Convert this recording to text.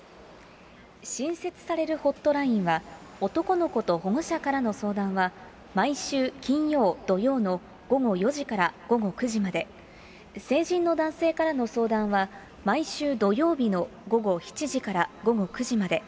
新設されるホットラインは、男の子と保護者からの相談は、毎週金曜、土曜の午後４時から午後９時まで、成人の男性からの相談は、毎週土曜日の午後７時から午後９時まで。